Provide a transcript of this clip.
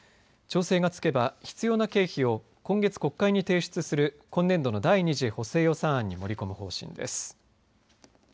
調整がつけば必要な経費を今月、国会に提出する今年度の第２次補正予算案に盛り込む方針です。